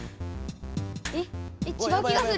えっえちがう気がする。